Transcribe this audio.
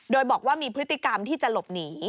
โดยบอกว่ามีพฤติกรรมที่จะหลบหนี